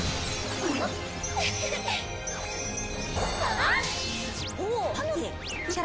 あっ。